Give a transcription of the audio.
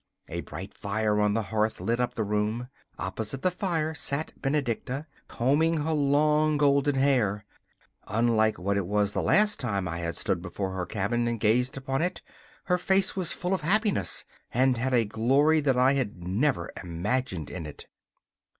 A bright fire on the hearth lit up the room. Opposite the fire sat Benedicta, combing her long golden hair. Unlike what it was the last time I had stood before her cabin and gazed upon it, her face was full of happiness and had a glory that I had never imagined in it.